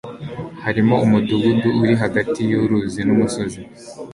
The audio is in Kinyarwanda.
Hariho umudugudu uri hagati yuruzi numusozi.